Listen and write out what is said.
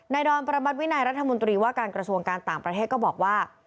ดอนประมัติวินัยรัฐมนตรีว่าการกระทรวงการต่างประเทศก็บอกว่า